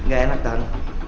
gak enak tan